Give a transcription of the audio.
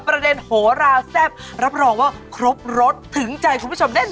โหราแซ่บรับรองว่าครบรสถึงใจคุณผู้ชมแน่นอ